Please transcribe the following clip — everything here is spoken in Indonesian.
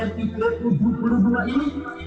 lantas atasi pengangguran dan kemiskinan